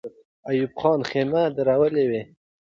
ایوب خان خېمې درولې وې.